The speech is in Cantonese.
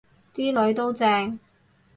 啲囡都正